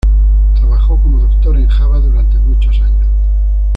Trabajó como doctor en Java durante muchos años.